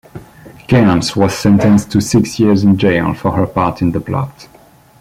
Cairns was sentenced to six years in jail for her part in the plot.